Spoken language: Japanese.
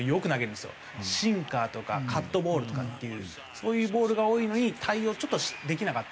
シンカーとかカットボールとかっていうそういうボールが多いのに対応ちょっとできなかった。